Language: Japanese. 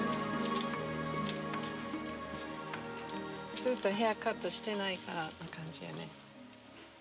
ずっとヘアカットしてないって感じよね。